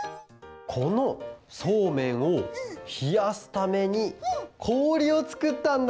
このそうめんをひやすためにこおりをつくったんだ！